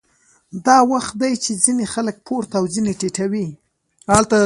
دا وخت دی چې ځینې خلک پورته او ځینې ټیټوي